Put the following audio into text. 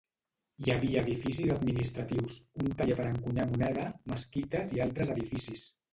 Hi havia edificis administratius, un taller per encunyar moneda, mesquites i altres edificis.